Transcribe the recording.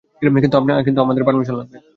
কিন্তু আমাদের পারমিশন লাগবে।